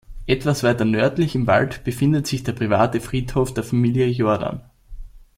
Etwas weiter nördlich im Wald befindet sich der private Friedhof der Familie Jordan.